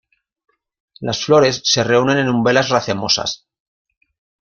Las flores se reúnen en umbelas racemosas.